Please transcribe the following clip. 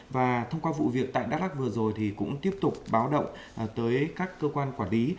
và thông qua vụ việc tại đắk lắc vừa rồi thì cũng tiếp tục báo động tới các cơ quan quản lý